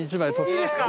いいですか！？